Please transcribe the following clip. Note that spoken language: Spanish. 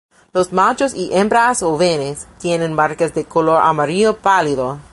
Los machos y hembras jóvenes tienen marcas de color amarillo pálido.